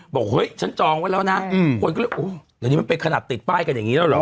บอกเฮ้ยฉันจองไว้แล้วนะคนก็เลยโอ้เดี๋ยวนี้มันเป็นขนาดติดป้ายกันอย่างนี้แล้วเหรอ